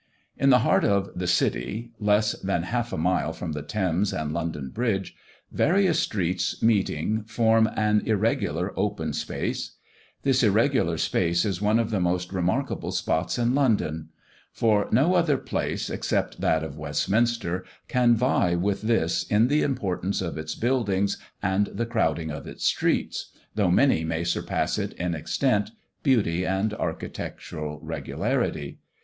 In the heart of the City, less than half a mile from the Thames and London bridge, various streets meeting form an irregular open place. This irregular place is one of the most remarkable spots in London. For no other place, except that of Westminster, can vie with this in the importance of its buildings and the crowding of its streets, though many may surpass it in extent, beauty, and architectural regularity.